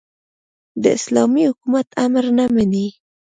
د اسلامي حکومت امر نه مني.